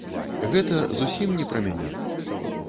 Гэта зусім не пра мяне.